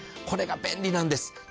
これが便利なんです。